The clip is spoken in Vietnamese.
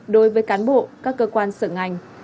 đối với cán bộ các cơ quan sở ngành